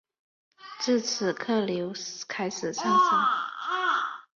自此客流开始上升。